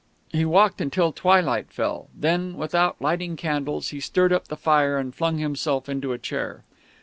He walked until twilight fell, then, without lighting candles, he stirred up the fire and flung himself into a chair.